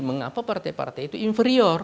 mengapa partai partai itu inferior